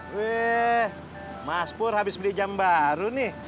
weh mas pur habis beli jam baru nih